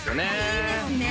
いいですね